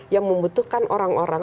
yang membutuhkan orang orang